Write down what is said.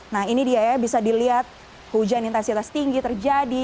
nah ini dia ya bisa dilihat hujan intensitas tinggi terjadi